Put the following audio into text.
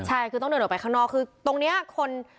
ใช่คือต้องเดินออกไปข้างนอกคือตรงนี้คน